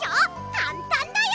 かんたんだよ。